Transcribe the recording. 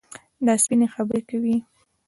دا سپيني خبري کوي.